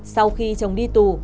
sau khi chồng đi tù